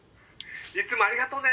いつもありがとね。